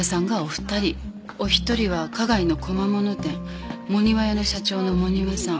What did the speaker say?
お一人は花街の小間物店茂庭屋の社長の茂庭さん。